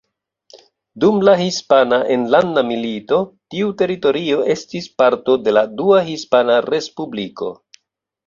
Dum la Hispana Enlanda Milito tiu teritorio estis parto de la Dua Hispana Respubliko.